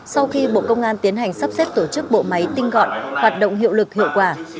sau khi bộ công an tiến hành sắp xếp tổ chức bộ máy tinh gọn hoạt động hiệu lực hiệu quả